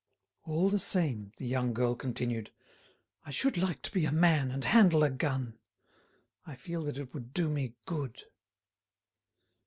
"All the same," the young girl continued, "I should like to be a man and handle a gun. I feel that it would do me good."